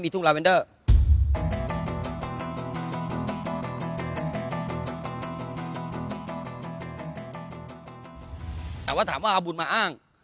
แต่ว่าถามว่าเอาบุญมาอ้าง